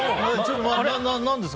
何ですか？